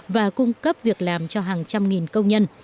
và cung cấp việc làm cho hàng trăm nghìn công nhân